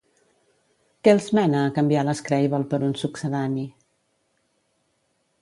Què els mena a canviar l'Scrabble per un succedani?